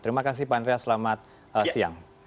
terima kasih pak andreas selamat siang